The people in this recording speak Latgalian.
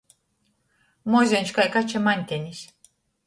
Mozeņš kai kača maņtenis.